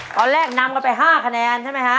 ตอนแรกนำกันไป๕คะแนนใช่มั้ยครับ